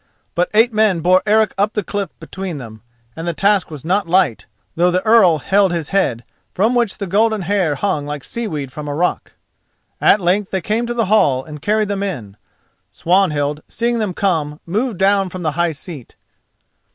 But eight men bore Eric up the cliff between them, and the task was not light, though the Earl held his head, from which the golden hair hung like seaweed from a rock. At length they came to the hall and carried them in. Swanhild, seeing them come, moved down from the high seat.